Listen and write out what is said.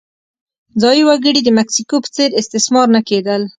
ځايي وګړي د مکسیکو په څېر استثمار نه کېدل.